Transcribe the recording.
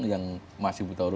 jadi masih ya